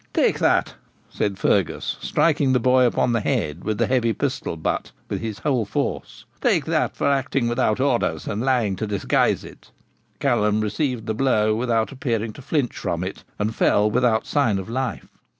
'Take that,' said Fergus, striking the boy upon the head with the heavy pistol butt with his whole force 'take that for acting without orders, and lying to disguise it.' Callum received the blow without appearing to flinch from it, and fell without sign of life.